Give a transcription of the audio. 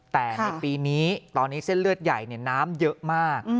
แต่ในปีนี้ตอนนี้เส้นเลือดใหญ่น้ำเยอะมาก